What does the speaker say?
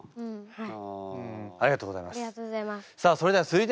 はい！